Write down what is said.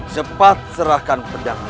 cepat serahkan pedang itu